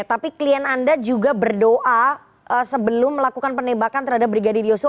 jadi maksudnya anda juga berdoa sebelum melakukan penembakan terhadap brigadir yoso